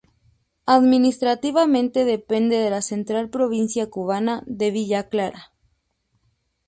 Administrativamente depende de la central provincia cubana de Villa Clara.